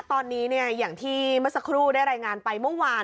ตอนนี้อย่างที่เมื่อสักครู่ได้รายงานไปเมื่อวาน